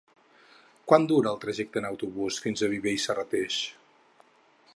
Quant dura el trajecte en autobús fins a Viver i Serrateix?